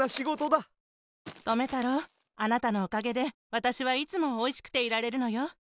とめたろうあなたのおかげでわたしはいつもおいしくていられるのよ。